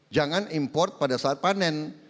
jangan import pada saat panen